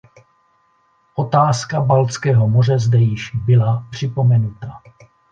Otázka Baltského moře zde již byla připomenuta.